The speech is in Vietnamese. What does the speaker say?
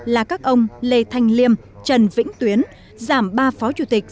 là các ông lê thanh liêm trần vĩnh tuyến giảm ba phó chủ tịch